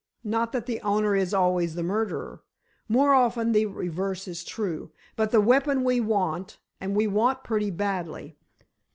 Not that the owner is always the murderer. More often the reverse is true. But the weapon we want and want pretty badly.